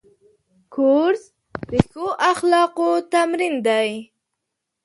کورس د ښو اخلاقو تمرین دی.